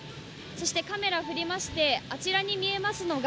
そしてカメラを振りまして、あちらに見えますのが